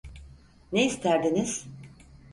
Ne isterdiniz?